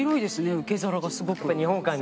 受け皿がすごく。